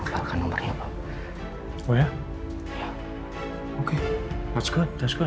tapi malah ada cantiknya nih media